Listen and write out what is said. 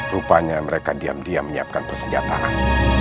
rupanya mereka diam diam menyiapkan persenjataan